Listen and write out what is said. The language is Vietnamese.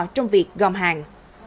trong việc gom hàng